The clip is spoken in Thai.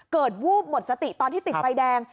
วูบหมดสติตอนที่ติดไฟแดง